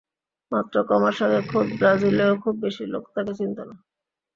মাত্র কমাস আগে খোদ ব্রাজিলেও খুব বেশি লোক তাঁকে চিনত না।